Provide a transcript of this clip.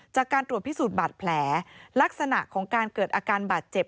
จากการตรวจพิสูจน์บาดแผลลักษณะของการเกิดอาการบาดเจ็บ